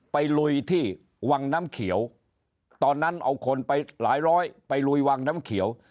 ลุยที่วังน้ำเขียวตอนนั้นเอาคนไปหลายร้อยไปลุยวังน้ำเขียว